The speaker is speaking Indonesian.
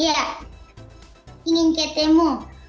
iya ingin ketemu